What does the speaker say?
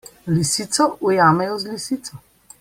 Lisico ujamejo z lisico.